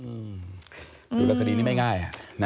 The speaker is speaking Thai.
ดูแล้วคดีนี้ไม่ง่าย